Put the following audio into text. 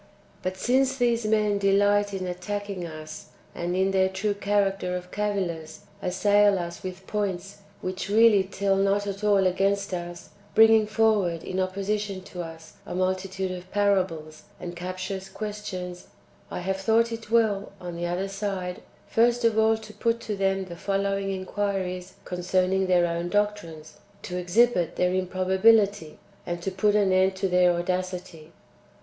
147 2. But since these men deliglit in attacking us, and in their true character of cavillers assail us with points which really tell not at all against us, bringing forward in opposi tion to ns a multitude of parables and [captious] questions, I have thought it well, on the other side, first of all to put to them the following inquiries concerning their own doctrines, to exhibit their improbability, and to put an end to their audacity.